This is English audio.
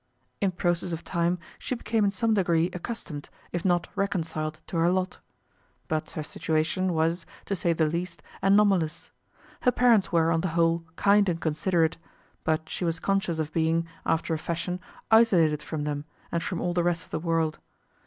In process of time she became in some degree accustomed, if not reconciled to her lot. But her situation was, to say the least, anomalous. Her parents were, on the whole, kind and considerate, but she was conscious of being, after a fashion, isolated from them and from all the rest of the world.